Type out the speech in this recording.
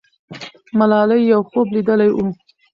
ملالۍ یو خوب لیدلی وو.